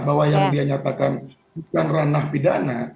bahwa yang dia nyatakan bukan ranah pidana